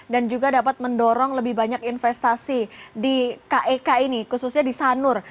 dan juga dapat mendorong lebih banyak investasi di kek ini khususnya di sanur